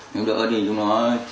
nhưng đỡ thì chúng nó